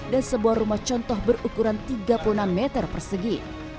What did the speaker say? dan sebuah rumah contoh berukuran tiga puluh enam meter persegi